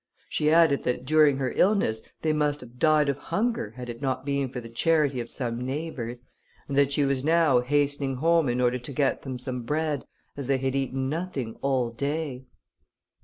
She added that during her illness, they must have died of hunger, had it not been for the charity of some neighbours, and that she was now hastening home in order to get them some bread, as they had eaten nothing all day.